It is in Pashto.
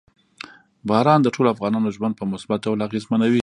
باران د ټولو افغانانو ژوند په مثبت ډول اغېزمنوي.